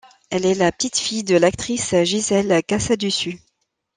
Elle est la petite-fille de l'actrice Gisèle Casadesus.